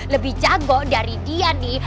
lebih jago dari dia nih